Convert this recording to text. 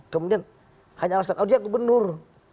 kemudian hanya alasan oh dia gubernur